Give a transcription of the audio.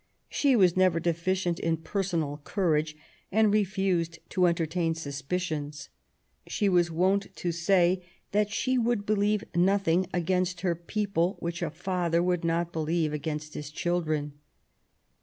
She was never deficient in personal courage, and refused to enter tain suspicions. She was wont to say that she would believe nothing against her people which a father would not believe against his children.